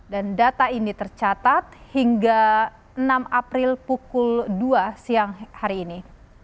dan data ini tercatat hingga enam april pukul dua siang hari ini